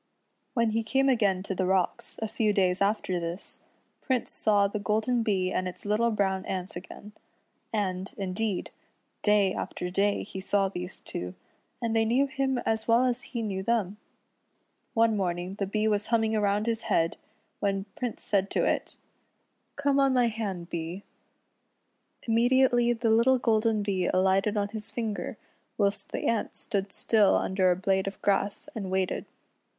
When he came again to the rocks, a few days after this, Prince saw the golden Bee and its little brown ant again, and, indeed, day after day he saw these two, and they knew him as well as he knew them. One morning the Bee was humming around his head when Prince said to it: SUNBEAM AND HER WHITE RABBIT. 8i " Come on m\' hand, Bee." Immediately the little golden Bee alighted on his finger, whilst the ant stood still under a blade of grass, and waited.